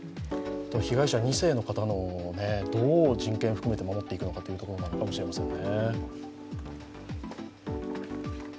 被害者２世の方、どう人権を含めて守っていくかということになるかもしれません。